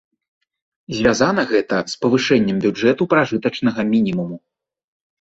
Звязана гэта з павышэннем бюджэту пражытачнага мінімуму.